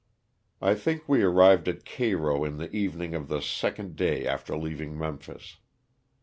I think we arrived at Cairo in the evening of the second day after leaving Memphis.